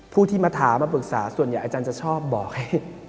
ผู้ที่มาถามมาปรึกษาส่วนใหญ่อาจารย์จะชอบบอกให้